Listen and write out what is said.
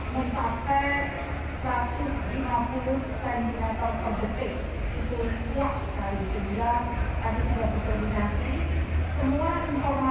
semua informasi telah dimasuk real time karena bmkg memasang harga nanti sehingga insya allah berbagai kemungkinan dapat terjejak